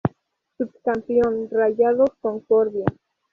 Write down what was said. Subcampeón: Rayados Concordia.